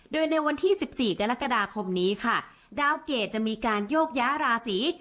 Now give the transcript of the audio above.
โดยในวันที่๑๔กรกฎาคมนี้ค่ะดาวเกรดจะมีการโยกย้าราศี